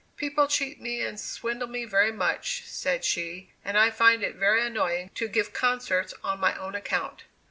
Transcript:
"People cheat me and swindle me very much," said she, "and I find it very annoying to give concerts on my own account."